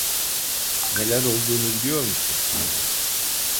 Neler olduğunu biliyor musun?